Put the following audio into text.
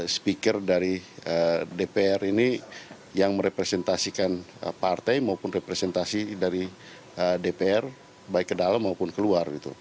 speaker dari dpr ini yang merepresentasikan partai maupun representasi dari dpr baik ke dalam maupun keluar